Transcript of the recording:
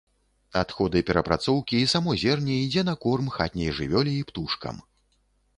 Адходы перапрацоўкі і само зерне ідзе на корм хатняй жывёле і птушкам.